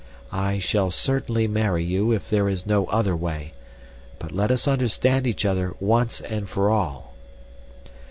"I shall certainly marry you if there is no other way, but let us understand each other once and for all."